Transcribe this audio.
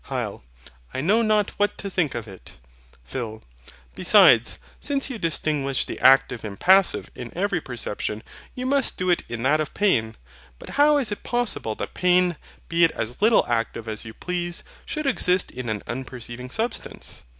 HYL. I know not what to think of it. PHIL. Besides, since you distinguish the ACTIVE and PASSIVE in every perception, you must do it in that of pain. But how is it possible that pain, be it as little active as you please, should exist in an unperceiving substance?